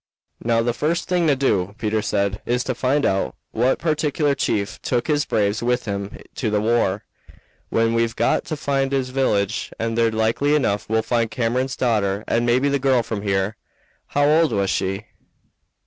"Now, the first thing to do," Peter said, "is to find out what particular chief took his braves with him to the war; then we've got to find his village; and there likely enough we'll find Cameron's daughter and maybe the girl from here. How old was she?"